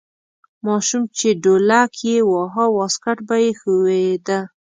ماشوم چې ډولک یې واهه واسکټ به یې ښویده.